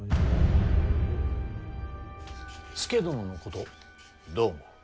佐殿のことどう思う？